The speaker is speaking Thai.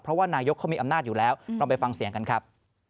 เพราะว่านายกเขามีอำนาจอยู่แล้วเราไปฟังเสียงกันครับ